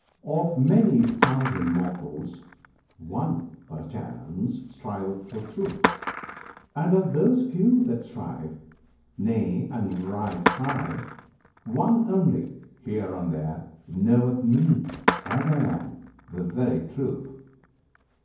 Of many thousand mortals, one, perchance, Striveth for Truth; and of those few that strive Nay, and rise high one only here and there Knoweth Me, as I am, the very Truth.